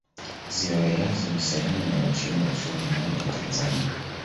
ziwa eyasi ni sehemu inayochimbwa chumvi ndani ya tanzania